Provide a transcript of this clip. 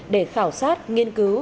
để khảo sát nghiên cứu